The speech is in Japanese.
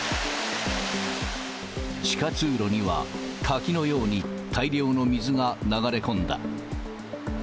地下通路には、滝のように大量の水が流れ込んだ。